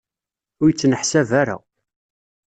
Ur yettneḥsab ara.